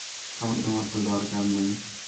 আমাকে তোমার তো দরকার নেই।